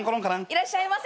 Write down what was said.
いらっしゃいませ。